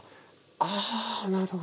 あなるほど。